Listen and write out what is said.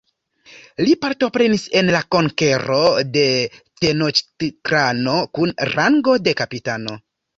Li partoprenis en la konkero de Tenoĉtitlano kun rango de kapitano.